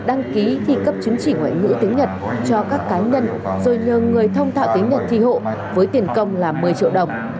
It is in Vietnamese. đăng ký thi cấp chứng chỉ ngoại ngữ tiếng nhật cho các cá nhân rồi nhờ người thông tạo tiếng nhật thi hộ với tiền công là một mươi triệu đồng